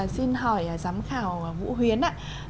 xin hỏi giám khảo vũ huyến